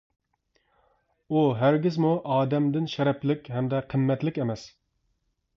ئۇ ھەرگىزمۇ ئادەمدىن شەرەپلىك ھەمدە قىممەتلىك ئەمەس.